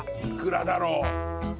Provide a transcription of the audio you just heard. いくらだろう？